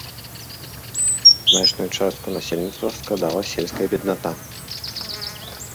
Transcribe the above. Значную частку насельніцтва складала сельская бедната.